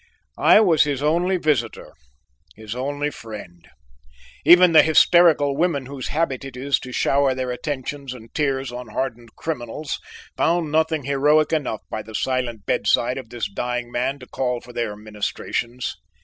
I was his only visitor, his only friend; even the hysterical women whose habit it is to shower their attentions and tears on hardened criminals found nothing heroic enough by the silent bedside of this dying man to call for their ministrations.